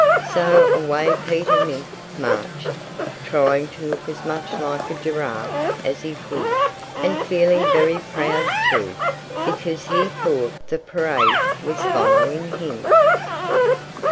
So away Peter Mink marched, trying to look as much like a giraffe as he could, and feeling very proud, too because he thought the parade was following him.